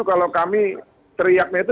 kalau kami teriaknya itu